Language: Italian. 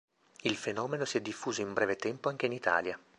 Il fenomeno si è diffuso in breve tempo anche in Italia.